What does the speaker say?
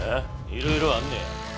いろいろあんねや。